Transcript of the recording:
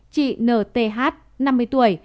chị n t h năm mươi tuổi